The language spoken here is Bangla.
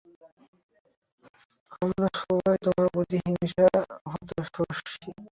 আমরা সবসময়ই তোমার প্রতি হিংসা হতো, সার্সি।